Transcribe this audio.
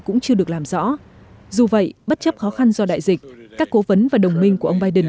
cũng chưa được làm rõ dù vậy bất chấp khó khăn do đại dịch các cố vấn và đồng minh của ông biden